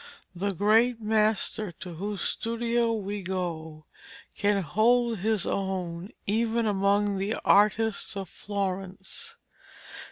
'The great master to whose studio we go, can hold his own even among the artists of Florence.